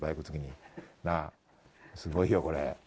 すごいよ、これ。